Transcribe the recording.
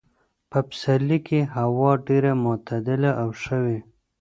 په پسرلي کې هوا ډېره معتدله او ښه وي.